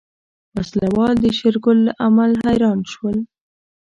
وسله وال د شېرګل له عمل حيران شول.